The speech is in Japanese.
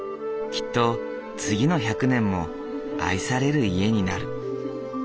きっと次の１００年も愛される家になる。